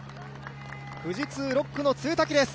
富士通６区の潰滝です。